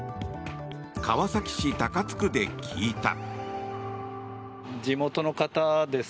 川崎市高津区で聞いた。